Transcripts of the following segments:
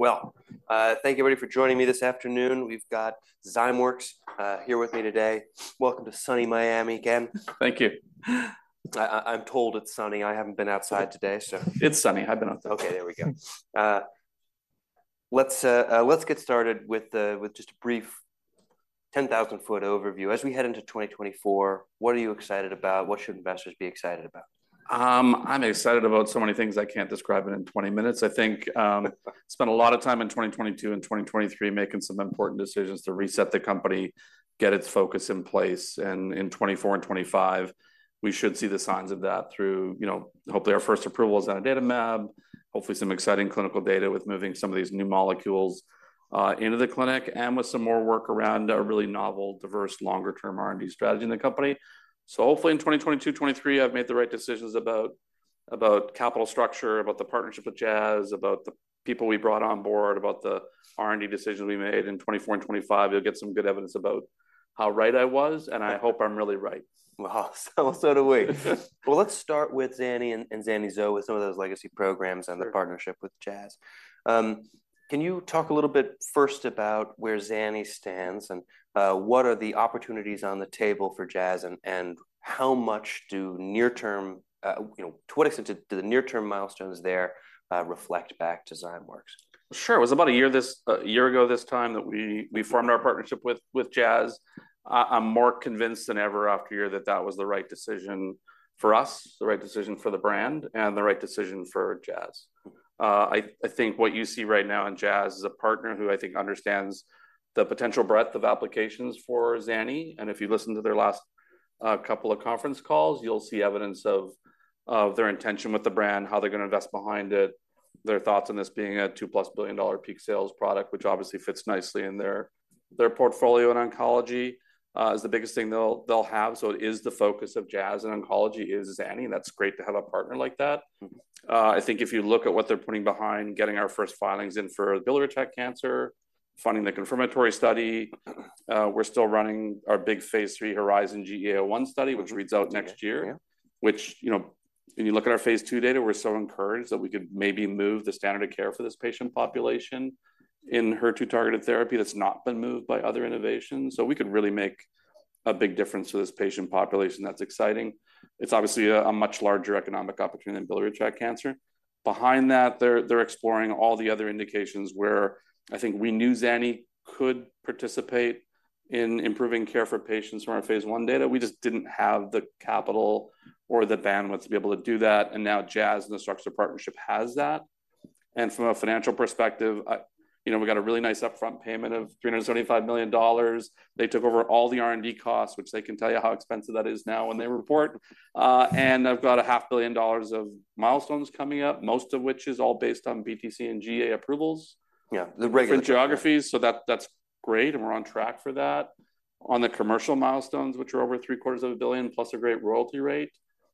Well, thank you everybody for joining me this afternoon. We've got Zymeworks here with me today. Welcome to sunny Miami again. Thank you. I'm told it's sunny. I haven't been outside today, so- It's sunny. I've been outside. Okay, there we go. Let's, let's get started with, with just a brief 10,000-foot overview. As we head into 2024, what are you excited about? What should investors be excited about? I'm excited about so many things. I can't describe it in 20 minutes. I think, spent a lot of time in 2022 and 2023 making some important decisions to reset the company, get its focus in place, and in 2024 and 2025, we should see the signs of that through, you know, hopefully, our first approval is on zanidatamab, hopefully some exciting clinical data with moving some of these new molecules into the clinic, and with some more work around a really novel, diverse, longer-term R&D strategy in the company. So hopefully, in 2022, 2023, I've made the right decisions about, about capital structure, about the partnership with Jazz, about the people we brought on board, about the R&D decisions we made. In 2024 and 2025, you'll get some good evidence about how right I was, and I hope I'm really right. Well, so, so do we. Well, let's start with Zani and, and Zani-Zo, with some of those legacy programs- Sure. and the partnership with Jazz. Can you talk a little bit first about where Zani stands and what are the opportunities on the table for Jazz, and how much do near-term, you know, to what extent do the near-term milestones there reflect back to Zymeworks? Sure. It was about a year ago this time that we formed our partnership with Jazz. I'm more convinced than ever after a year that that was the right decision for us, the right decision for the brand, and the right decision for Jazz. I think what you see right now in Jazz is a partner who I think understands the potential breadth of applications for Zani, and if you listen to their last couple of conference calls, you'll see evidence of their intention with the brand, how they're going to invest behind it, their thoughts on this being a $2+ billion peak sales product, which obviously fits nicely in their portfolio in oncology, is the biggest thing they'll have. So it is the focus of Jazz, and oncology is Zani, and that's great to have a partner like that. I think if you look at what they're putting behind, getting our first filings in for biliary tract cancer, funding the confirmatory study, we're still running our big phase III HERIZON-GEA-01 study, which reads out next year- Yeah. which, you know, when you look at our phase II data, we're so encouraged that we could maybe move the standard of care for this patient population in HER2-targeted therapy that's not been moved by other innovations. So we could really make a big difference to this patient population. That's exciting. It's obviously a much larger economic opportunity than biliary tract cancer. Behind that, they're exploring all the other indications where I think we knew Zani could participate in improving care for patients from our phase I data. We just didn't have the capital or the bandwidth to be able to do that, and now Jazz and the structure partnership has that. And from a financial perspective, I you know, we got a really nice upfront payment of $375 million. They took over all the R&D costs, which they can tell you how expensive that is now when they report. And I've got $500 million of milestones coming up, most of which is all based on BTC and GA approvals- Yeah, the regular- for geographies, so that, that's great, and we're on track for that. On the commercial milestones, which are over $750 million, plus a great royalty rate,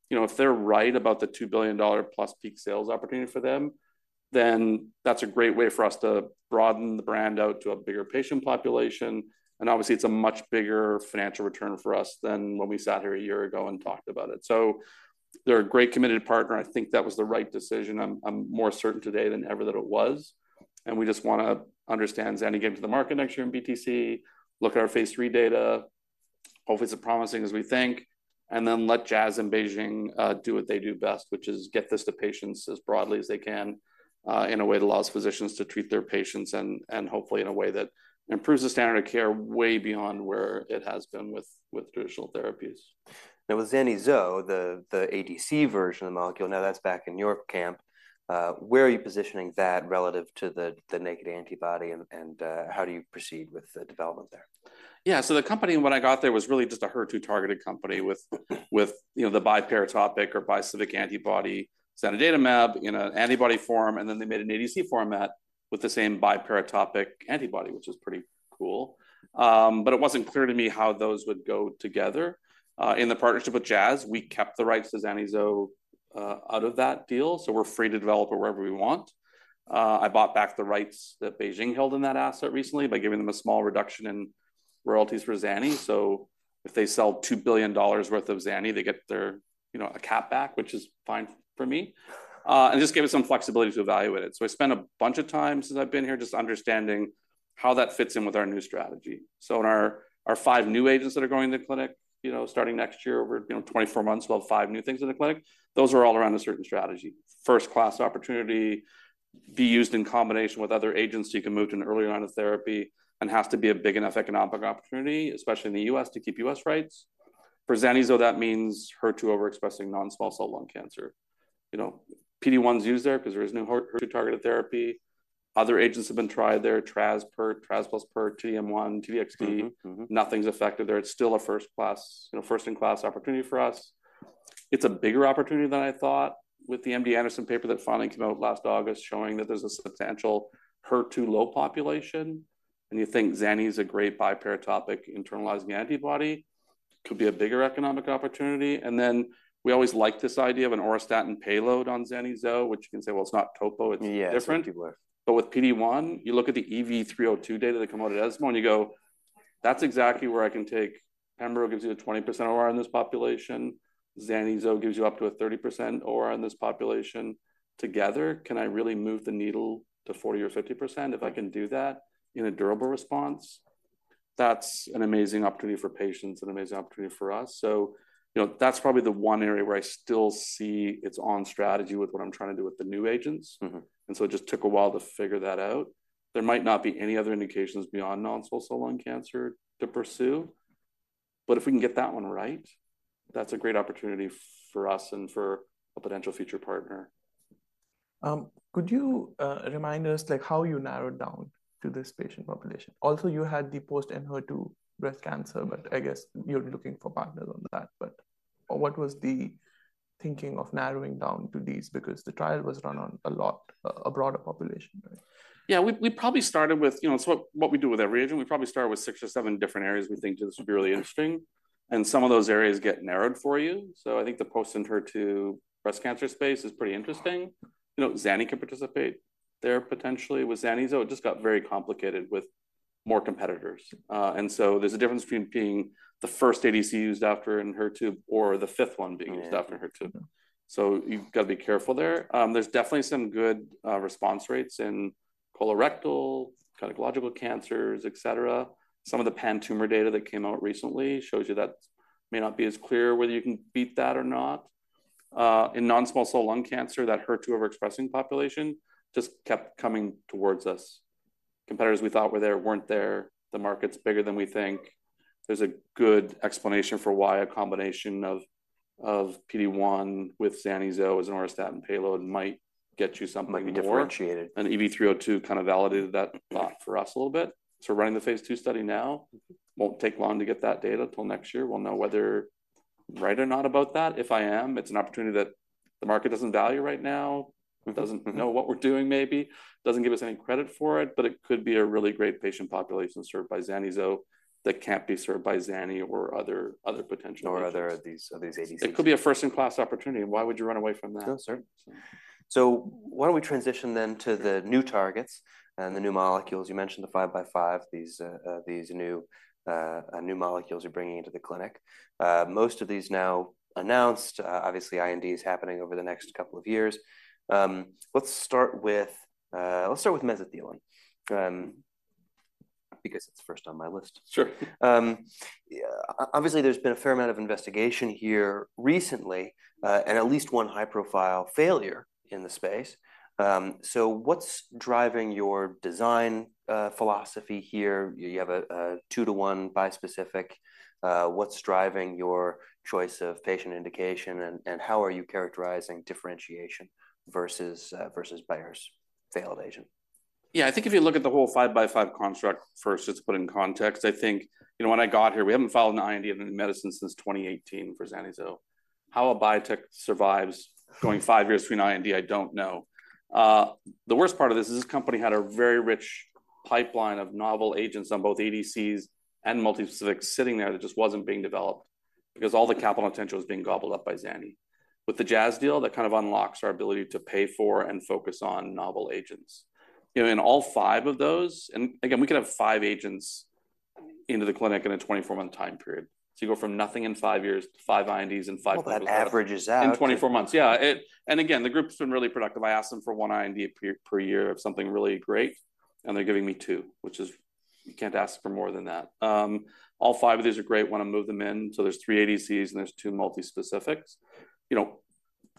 you know, if they're right about the $2+ billion peak sales opportunity for them, then that's a great way for us to broaden the brand out to a bigger patient population, and obviously, it's a much bigger financial return for us than when we sat here a year ago and talked about it. So they're a great, committed partner, and I think that was the right decision. I'm more certain today than ever that it was, and we just want to understand Zani get to the market next year in BTC, look at our phase IIIdata, hopefully, it's as promising as we think, and then let Jazz and BeiGene do what they do best, which is get this to patients as broadly as they can, in a way that allows physicians to treat their patients, and hopefully in a way that improves the standard of care way beyond where it has been with traditional therapies. Now, with Zani-Zo, the ADC version of the molecule, now that's back in your camp. Where are you positioning that relative to the naked antibody, and how do you proceed with the development there? Yeah. So the company, when I got there, was really just a HER2-targeted company with, with, you know, the biparatopic or bispecific antibody, zanidatamab, in an antibody form, and then they made an ADC format with the same biparatopic antibody, which was pretty cool. But it wasn't clear to me how those would go together. In the partnership with Jazz, we kept the rights to Zani-Zo out of that deal, so we're free to develop it wherever we want. I bought back the rights that BeiGene held in that asset recently by giving them a small reduction in royalties for Zani. So if they sell $2 billion worth of Zani, they get their, you know, a cap back, which is fine for me, and just give us some flexibility to evaluate it. So I spent a bunch of time since I've been here just understanding how that fits in with our new strategy. So in our five new agents that are going to the clinic, you know, starting next year, over, you know, 24 months, we'll have five new things in the clinic. Those are all around a certain strategy. First-class opportunity, be used in combination with other agents, so you can move to an earlier line of therapy and has to be a big enough economic opportunity, especially in the U.S., to keep U.S. rights. For Zani-Zo, that means HER2 overexpressing non-small cell lung cancer. You know, PD-1 is used there because there is no HER2-targeted therapy. Other agents have been tried there, Traz, Pert, Traz plus Pert, T-DM1, T-DXd. Mm-hmm. Mm-hmm. Nothing's effective there. It's still a first-class, you know, first-in-class opportunity for us. It's a bigger opportunity than I thought with the MD Anderson paper that finally came out last August, showing that there's a substantial HER2 low population, and you think Zani is a great biparatopic internalizing antibody, could be a bigger economic opportunity. And then, we always liked this idea of an auristatin payload on Zani-Zo, which you can say, well, it's not topo, it's different. Yeah, it's different. But with PD-1, you look at the EV-302 data that come out of ESMO, and you go... That's exactly where I can take, Padcev gives you a 20% OR in this population, Zani-Zo gives you up to a 30% OR in this population. Together, can I really move the needle to 40% or 50%? If I can do that in a durable response, that's an amazing opportunity for patients, an amazing opportunity for us. So, you know, that's probably the one area where I still see it's on strategy with what I'm trying to do with the new agents. Mm-hmm. So it just took a while to figure that out. There might not be any other indications beyond non-small cell lung cancer to pursue, but if we can get that one right, that's a great opportunity for us and for a potential future partner. Could you remind us, like, how you narrowed down to this patient population? Also, you had the post-Enhertu breast cancer, but I guess you're looking for partners on that. But, what was the thinking of narrowing down to these? Because the trial was run on a lot broader population, right? Yeah, we probably started with—you know, so what we do with every agent, we probably start with six or seven different areas we think this would be really interesting, and some of those areas get narrowed for you. So I think the post-Enhertu breast cancer space is pretty interesting. You know, Zani can participate there potentially with Zani-Zo. It just got very complicated with more competitors. And so there's a difference between being the first ADC used after Enhertu or the fifth one being used after Enhertu. Mm-hmm. So you've got to be careful there. There's definitely some good response rates in colorectal, gynecological cancers, etc. Some of the pan-tumor data that came out recently shows you that may not be as clear whether you can beat that or not. In non-small cell lung cancer, that Enhertu overexpressing population just kept coming towards us. Competitors we thought were there, weren't there. The market's bigger than we think. There's a good explanation for why a combination of, of PD-1 with Zani-Zo as an auristatin payload might get you something more. Might be differentiated. EV-302 kind of validated that thought for us a little bit. We're running the phase II study now. Mm-hmm. Won't take long to get that data, till next year. We'll know whether right or not about that. If I am, it's an opportunity that the market doesn't value right now, doesn't know what we're doing, maybe, doesn't give us any credit for it, but it could be a really great patient population served by Zani-Zo that can't be served by Zani or other, other potential- Or other of these ADCs. It could be a first-in-class opportunity. Why would you run away from that? No, certainly. So why don't we transition then to the new targets and the new molecules? You mentioned the five-by-five, these new molecules you're bringing into the clinic. Most of these now announced, obviously, IND is happening over the next couple of years. Let's start with mesothelin, because it's first on my list. Sure. Obviously, there's been a fair amount of investigation here recently, and at least one high-profile failure in the space. So what's driving your design philosophy here? You have a two-to-one bispecific. What's driving your choice of patient indication, and how are you characterizing differentiation versus Bayer's failed agent? Yeah, I think if you look at the whole five-by-five construct first, just to put in context, I think, you know, when I got here, we haven't filed an IND in medicine since 2018 for Zani-Zo. How a biotech survives going five years between IND, I don't know. The worst part of this is this company had a very rich pipeline of novel agents on both ADCs and multi specific sitting there that just wasn't being developed because all the capital potential was being gobbled up by Zani. With the Jazz deal, that kind of unlocks our ability to pay for and focus on novel agents. You know, in all five of those, and again, we could have five agents into the clinic in a 24-month time period. So you go from nothing in five years to five INDs in five- Well, that averages out. In 24 months. Yeah, and again, the group's been really productive. I asked them for one IND per year of something really great, and they're giving me two, which is... You can't ask for more than that. All five of these are great, want to move them in. So there's three ADCs, and there's two multi specifics. You know,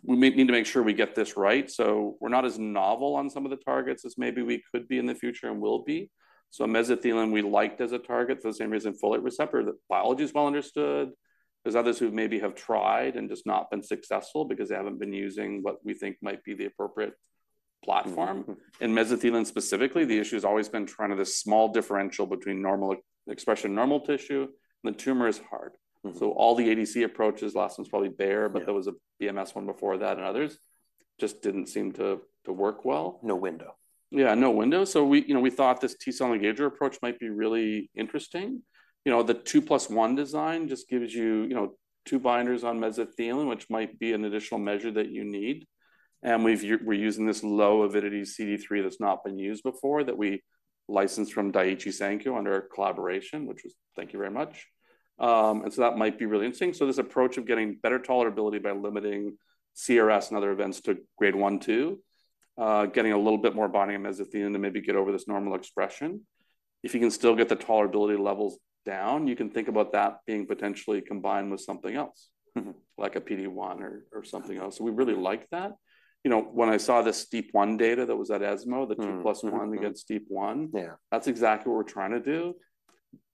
we may need to make sure we get this right. So we're not as novel on some of the targets as maybe we could be in the future and will be. So mesothelin, we liked as a target for the same reason, folate receptor. The biology is well understood. There's others who maybe have tried and just not been successful because they haven't been using what we think might be the appropriate platform. Mm-hmm. In mesothelin, specifically, the issue has always been trying to this small differential between normal expression normal tissue, and the tumor is hard. Mm-hmm. So all the ADC approaches, last one's probably Bayer- Yeah But there was a BMS one before that, and others. Just didn't seem to work well. No window. Yeah, no window. So we, you know, we thought this T cell engager approach might be really interesting. You know, the two plus one design just gives you, you know, two binders on mesothelin, which might be an additional measure that you need. And we're using this low-avidity CD3 that's not been used before, that we licensed from Daiichi Sankyo under a collaboration, which was thank you very much. And so that might be really interesting. So this approach of getting better tolerability by limiting CRS and other events to grade one-two, getting a little bit more binding of mesothelin to maybe get over this normal expression. If you can still get the tolerability levels down, you can think about that being potentially combined with something else. Mm-hmm. Like a PD-1 or, or something else. So we really like that. You know, when I saw the STEAP1 data that was at ESMO- Mm-hmm. The two + one against STEAP1- Yeah. That's exactly what we're trying to do.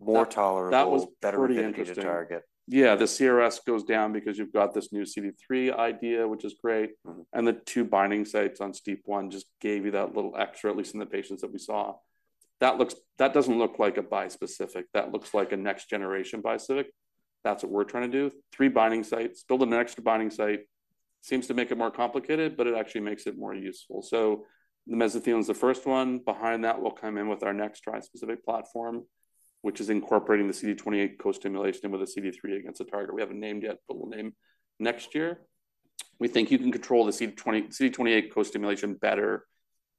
More tolerable- That was pretty interesting. Better indicated target. Yeah, the CRS goes down because you've got this new CD3 idea, which is great. Mm-hmm. And the two binding sites on STEAP1 just gave you that little extra, at least in the patients that we saw. That looks. That doesn't look like a bispecific. That looks like a next-generation bispecific. That's what we're trying to do. Three binding sites, building an extra binding site seems to make it more complicated, but it actually makes it more useful. So the mesothelin is the first one. Behind that, we'll come in with our next tri-specific platform, which is incorporating the CD28 co-stimulation with a CD3 against a target. We haven't named yet, but we'll name next year.... We think you can control the CD28 co-stimulation better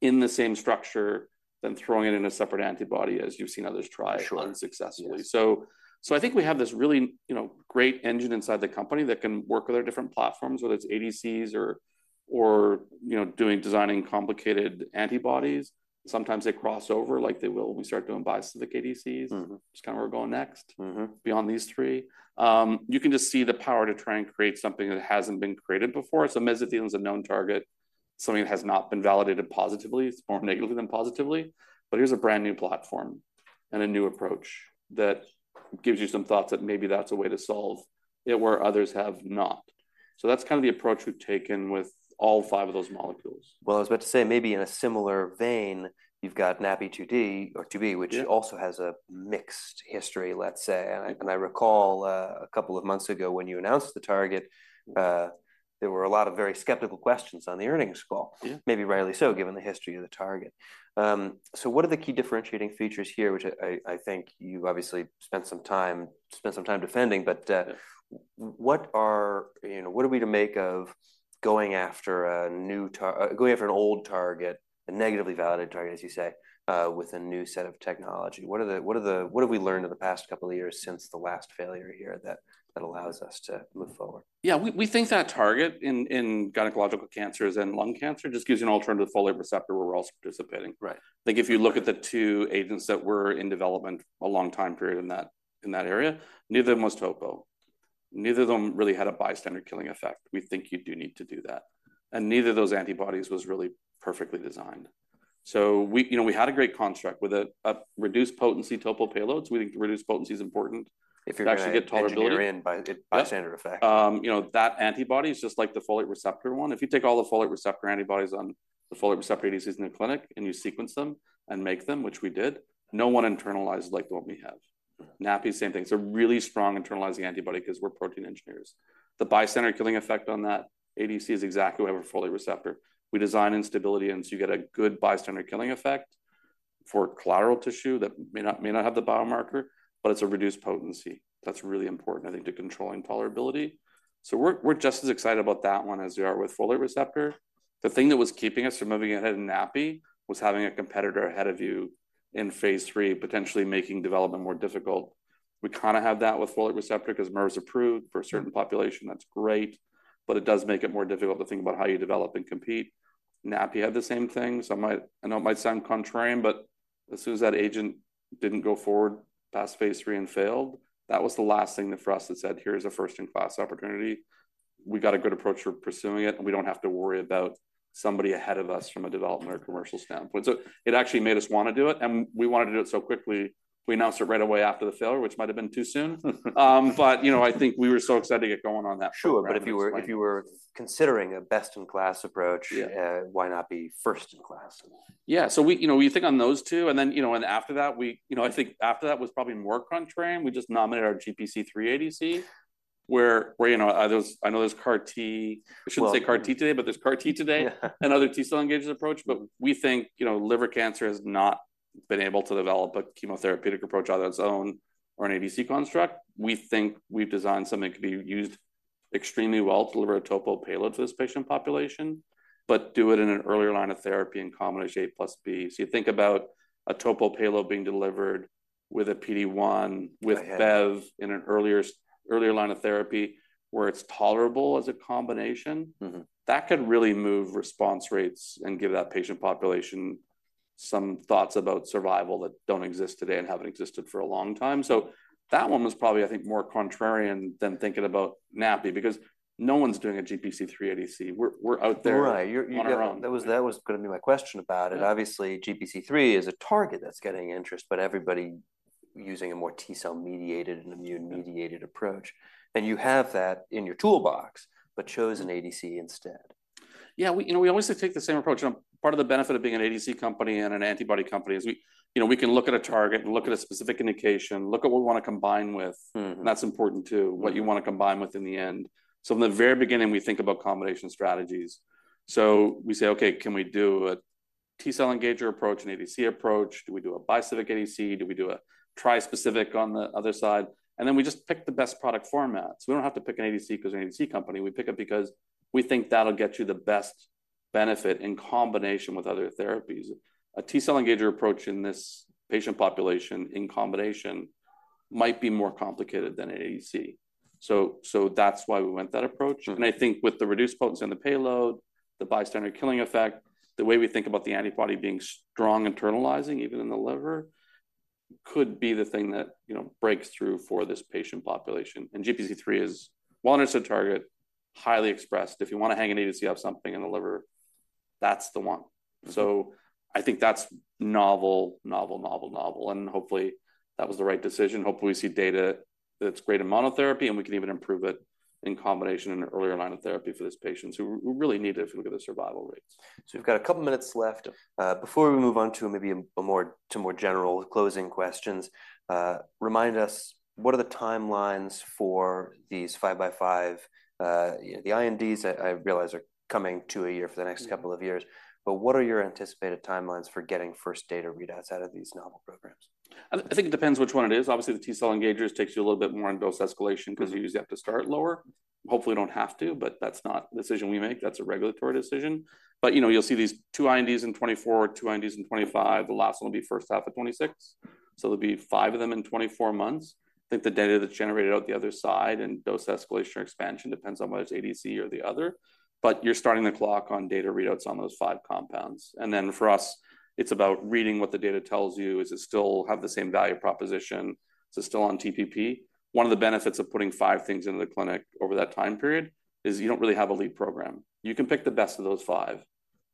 in the same structure than throwing it in a separate antibody, as you've seen others try- Sure. Unsuccessfully. Yes. So, I think we have this really, you know, great engine inside the company that can work with our different platforms, whether it's ADCs or, you know, designing complicated antibodies. Sometimes they cross over, like they will when we start doing bispecific ADCs. Mm-hmm. Which is kind of where we're going next- Mm-hmm. Beyond these three. You can just see the power to try and create something that hasn't been created before. So mesothelin is a known target, something that has not been validated positively, or negatively than positively. But here's a brand-new platform and a new approach that gives you some thoughts that maybe that's a way to solve it, where others have not. So that's kind of the approach we've taken with all five of those molecules. Well, I was about to say, maybe in a similar vein, you've got NaPi2b- Yeah. Which also has a mixed history, let's say. Mm-hmm. I recall a couple of months ago, when you announced the target, there were a lot of very skeptical questions on the earnings call. Yeah. Maybe rightly so, given the history of the target. So what are the key differentiating features here, which I think you've obviously spent some time defending, but, Yeah What are—you know, what are we to make of going after an old target, a negatively validated target, as you say, with a new set of technology? What have we learned in the past couple of years since the last failure here that allows us to move forward? Yeah, we think that target in gynecological cancers and lung cancer just gives you an alternative to folate receptor, where we're also participating. Right. I think if you look at the two agents that were in development a long time period in that area, neither of them was topo. Neither of them really had a bystander killing effect. We think you do need to do that, and neither of those antibodies was really perfectly designed. So we, you know, we had a great construct with a reduced potency topo payloads. We think reduced potency is important- If you're gonna- to actually get tolerability. Engineer in by- Yeah Bystander effect. You know, that antibody is just like the folate receptor one. If you take all the folate receptor antibodies on the folate receptor ADCs in the clinic, and you sequence them, and make them, which we did, no one internalized like the one we have. Right. NaPi2b, same thing. It's a really strong internalizing antibody 'cause we're protein engineers. The bystander killing effect on that ADC is exactly what we have a folate receptor. We design instability, and so you get a good bystander killing effect. For collateral tissue, that may not, may not have the biomarker, but it's a reduced potency. That's really important, I think, to controlling tolerability. So we're, we're just as excited about that one as we are with folate receptor. The thing that was keeping us from moving ahead in NaPi2b was having a competitor ahead of you in phase III, potentially making development more difficult. We kinda have that with folate receptor 'cause Mirv is approved- Mm. For a certain population, that's great. But it does make it more difficult to think about how you develop and compete. NaPi2b had the same thing, so I might, I know it might sound contrarian, but as soon as that agent didn't go forward past phase III and failed, that was the last thing that for us that said, "Here's a first-in-class opportunity." We got a good approach for pursuing it, and we don't have to worry about somebody ahead of us from a development or commercial standpoint. So it actually made us wanna do it, and we wanted to do it so quickly. We announced it right away after the failure, which might have been too soon. But, you know, I think we were so excited to get going on that program. Sure, but if you were considering a best-in-class approach- Yeah. Why not be first in class? Yeah. So we... You know, we think on those two, and then, you know, and after that, we-- you know, I think after that was probably more contrarian. We just nominated our GPC3 ADC, where, you know, there's- I know there's CAR T- Well- We shouldn't say CAR T today, but there's CAR T today. Yeah. Other T cell engagement approach, but we think, you know, liver cancer has not been able to develop a chemotherapeutic approach on its own or an ADC construct. We think we've designed something that could be used extremely well to deliver a topo payload to this patient population, but do it in an earlier line of therapy in combination A plus B. So you think about a topo payload being delivered with a PD-1, with bev- Go ahead In an earlier line of therapy, where it's tolerable as a combination. Mm-hmm. That could really move response rates and give that patient population some thoughts about survival that don't exist today and haven't existed for a long time. So that one was probably, I think, more contrarian than thinking about NaPi2b, because no one's doing a GPC3 ADC. We're out there- Right On our own. That was gonna be my question about it. Yeah. Obviously, GPC3 is a target that's getting interest, but everybody using a more T cell-mediated and immune-mediated approach. And you have that in your toolbox, but chose an ADC instead. Yeah, you know, we always take the same approach, and part of the benefit of being an ADC company and an antibody company is, you know, we can look at a target and look at a specific indication, look at what we wanna combine with. Mm-hmm. And that's important too- Mm What you wanna combine with in the end. So from the very beginning, we think about combination strategies. So we say: Okay, can we do a T cell engager approach, an ADC approach? Do we do a bispecific ADC? Do we do a tri-specific on the other side? And then, we just pick the best product format. So we don't have to pick an ADC 'cause we're an ADC company. We pick it because we think that'll get you the best benefit in combination with other therapies. A T cell engager approach in this patient population in combination might be more complicated than an ADC. So, so that's why we went that approach. Mm. And I think with the reduced potency and the payload, the bystander killing effect, the way we think about the antibody being strong internalizing, even in the liver, could be the thing that, you know, breaks through for this patient population. And GPC3 is well understood target, highly expressed. If you wanna hang an ADC of something in the liver, that's the one. Mm. So I think that's novel, novel, novel, novel, and hopefully, that was the right decision. Hopefully, we see data that's great in monotherapy, and we can even improve it in combination in an earlier line of therapy for these patients who really need it if you look at the survival rates. So we've got a couple minutes left. Before we move on to maybe a more general closing questions, remind us what are the timelines for these five-by-five, the INDs that I realize are coming two a year for the next couple of years, but what are your anticipated timelines for getting first data readouts out of these novel programs? I think it depends which one it is. Obviously, the T-cell engagers takes you a little bit more on dose escalation because you usually have to start lower. Hopefully, you don't have to, but that's not the decision we make, that's a regulatory decision. But, you know, you'll see these two INDs in 2024, two INDs in 2025. The last one will be first half of 2026, so there'll be five of them in 24 months. I think the data that's generated out the other side and dose escalation or expansion depends on whether it's ADC or the other, but you're starting the clock on data readouts on those five compounds. And then for us, it's about reading what the data tells you. Does it still have the same value proposition? Is it still on TPP? One of the benefits of putting five things into the clinic over that time period is you don't really have a lead program. You can pick the best of those five,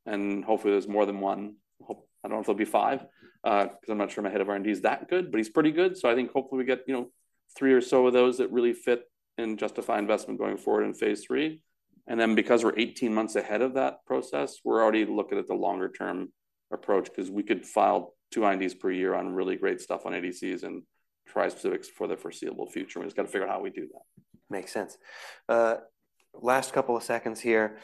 and hopefully, there's more than one. I don't know if there'll be five, because I'm not sure my head of R&D is that good, but he's pretty good. So I think hopefully we get, you know, three or so of those that really fit and justify investment going forward in phase III. And then because we're 18 months ahead of that process, we're already looking at the longer-term approach, because we could file two INDs per year on really great stuff on ADCs and trispecifics for the foreseeable future. We just got to figure out how we do that. Makes sense. Last couple of seconds here.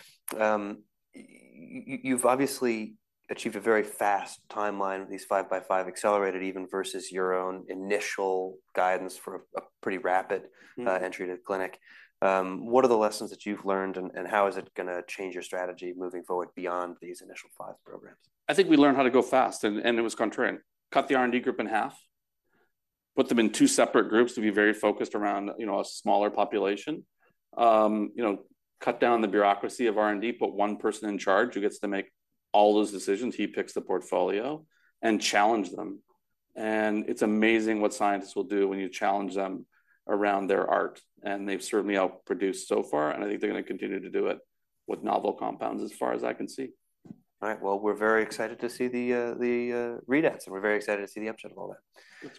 You've obviously achieved a very fast timeline with these five-by-five, accelerated even versus your own initial guidance for a, a pretty rapid- Mm. Entry to the clinic. What are the lessons that you've learned, and how is it gonna change your strategy moving forward beyond these initial five programs? I think we learned how to go fast, and it was contrarian. Cut the R&D group in half, put them in two separate groups to be very focused around, you know, a smaller population. You know, cut down the bureaucracy of R&D, put one person in charge who gets to make all those decisions. He picks the portfolio and challenge them. And it's amazing what scientists will do when you challenge them around their art, and they've certainly outproduced so far, and I think they're gonna continue to do it with novel compounds, as far as I can see. All right. Well, we're very excited to see the readouts, and we're very excited to see the upsides of all that.